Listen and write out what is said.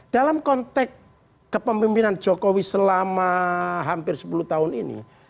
dalam konteks kepemimpinan jokowi selama hampir sepuluh tahun ini